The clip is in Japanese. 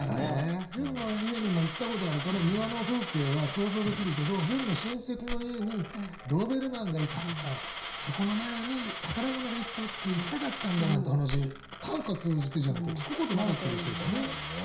潤の家にも行ったことあるから庭の風景は想像できるけど潤の親戚の家にドーベルマンがいたとかそこの納屋に宝物がいっぱいあって行きたかったんだなんて話短歌通じてじゃなきゃ聞くことなかったでしょうしね。